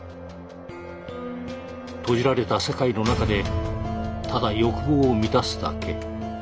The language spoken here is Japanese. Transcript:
閉じられた世界の中でただ欲望を満たすだけ。